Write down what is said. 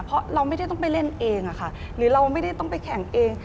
เพราะเราไม่ได้ต้องไปเล่นเองอะค่ะหรือเราไม่ได้ต้องไปแข่งเอง